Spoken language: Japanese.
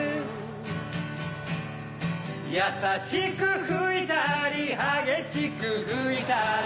優しく拭いたり激しく拭いたり